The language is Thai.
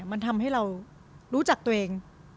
มันทำให้เรารู้จักตัวเอง